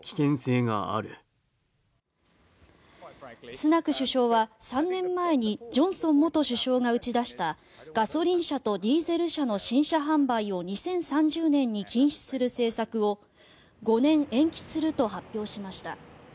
スナク首相は、３年前にジョンソン元首相が打ち出したガソリン車とディーゼル車の新車販売を２０３０年に禁止する政策を５年延期すると発表しました。